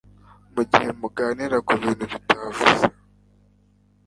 mugihe muganira kubintu bitavuze